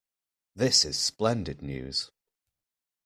This is splendid news.